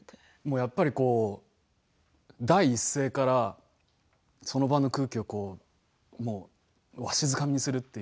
やっぱり第一声からその場の空気をわしづかみにするという。